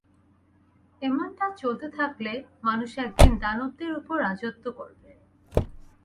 এমনটা চলতে থাকলে, মানুষ একদিন দানবদের উপর রাজত্ব করবে।